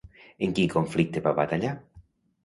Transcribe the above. En quin conflicte va batallar?